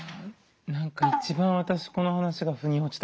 何か一番私この話が腑に落ちたかも。